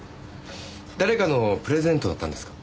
誰かのプレゼントだったんですか？